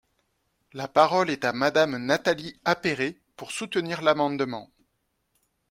La parole est à Madame Nathalie Appéré, pour soutenir l’amendement.